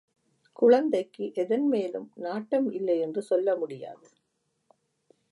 குழந்தைக்கு எதன் மேலும் நாட்டம் இல்லை என்று சொல்ல முடியாது.